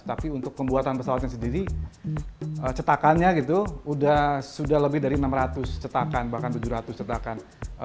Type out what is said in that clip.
tapi untuk pembuatan pesawatnya sendiri cetakannya gitu sudah lebih dari enam ratus cetakan bahkan tujuh ratus cetakan